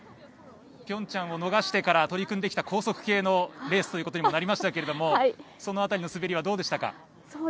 ピョンチャンを逃してから取り組んできた高速系のレースとなりましたけどもその辺りの滑りはどうでしたか？